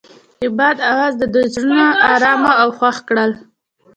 د باد اواز د دوی زړونه ارامه او خوښ کړل.